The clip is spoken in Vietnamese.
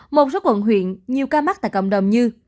một số quận huyện nhiều ca mắc tại cộng đồng như